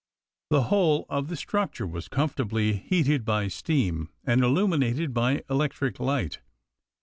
The whole of the structure was comfortably heated by steam and illuminated by electric light.